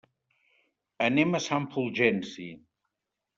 Anem a Sant Fulgenci.